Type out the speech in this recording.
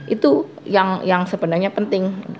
itu yang sebenarnya penting